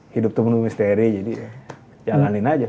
hidup tuh penuh misteri jadi jalanin aja